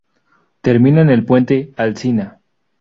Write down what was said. Termina en el Puente Alsina.